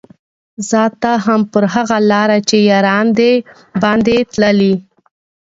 ځه ته هم پر هغه لاره چي یاران دي باندي تللي